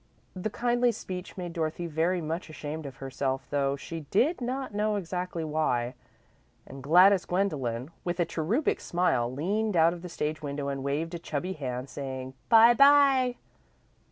The kindly speech made Dorothy very much ashamed of herself, though she did not know exactly why, and Gladys Gwendolen, with a cherubic smile, leaned out of the stage window and waved a chubby hand, saying: "Bye bye!"